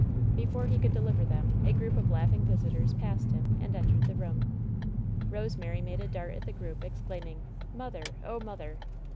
Before he could deliver them a group of laughing vis itors passed him and entered the room. Rosemary made a dart at the group, exclaiming: "Mother'l Oh, mother